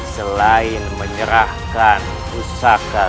selain menyerahkan pusaka